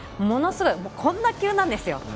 ものすごい、こんな急なんですよ。